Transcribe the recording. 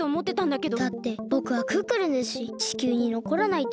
だってぼくはクックルンですし地球にのこらないと。